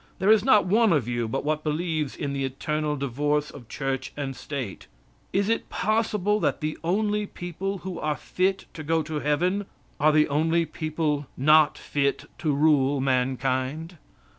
There is not one of you but what believes in the eternal divorce of church and state. Is it possible that the only people who are fit to go to heaven are the only people not fit to rule mankind?